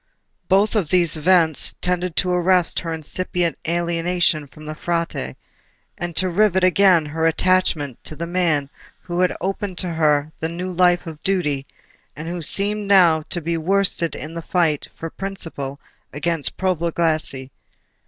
Both these events tended to arrest her incipient alienation from the Frate, and to rivet again her attachment to the man who had opened to her the new life of duty, and who seemed now to be worsted in the fight for principle against profligacy.